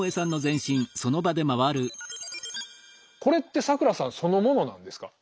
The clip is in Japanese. これって咲楽さんそのものなんですか？